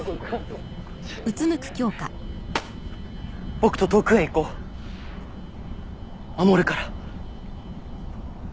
僕と遠くへ行こう守るから。